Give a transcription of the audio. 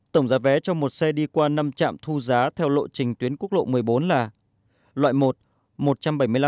tổng giá vé cho một xe đi từ lạng sơn đến bạc liêu qua hai mươi chín trạm thu theo lộ trình tuyến đường cao tốc pháp vân cao bồ là